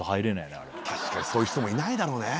確かにそういう人いないだろうね。